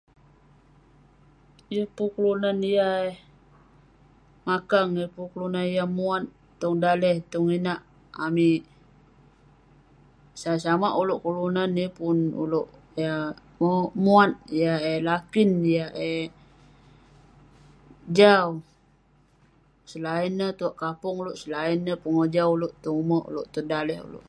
Ye pun kelunan yah eh makang, ye pun kelunan yah muat tong daleh tong inak amik. Samak-samak uleuk kelunan yeng pun uleuk yah mok- muat, yah eh lakin, yah eh jau selain neh tuak kapong uleuk selain neh pengojau uleuk tong umek uleuk tong daleh uleuk.